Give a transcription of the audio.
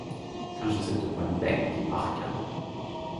Kanskje sit du på ein benk i parken